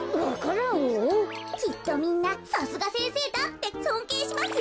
きっとみんな「さすがせんせいだ」ってそんけいしますよ。